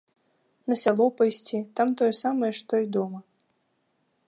На сяло пайсці, там тое самае, што і дома.